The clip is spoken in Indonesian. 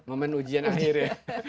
momen ujian akhir ya